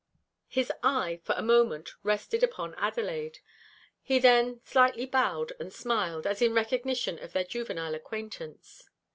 His eye, for a moment, rested upon Adelaide. He then slightly bowed and smiled, as in recognition of their juvenile acquaintance.